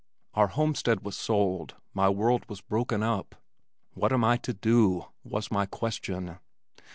Our homestead was sold, my world was broken up. "What am I to do?" was my question.